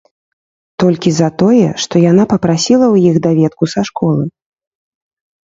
Толькі за тое, што яна папрасіла ў іх даведку са школы.